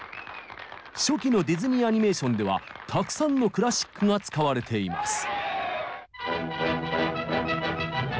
初期のディズニーアニメーションではたくさんのクラシックが使われています。